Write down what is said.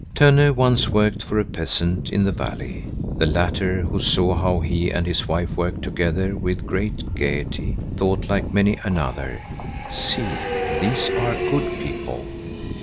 Tönne once worked for a peasant in the valley. The latter, who saw how he and his wife worked together with great gaiety, thought like many another: "See, these are good people."